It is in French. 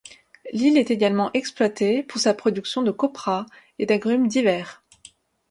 L'île est également exploitée pour sa production de coprah et d'agrumes divers.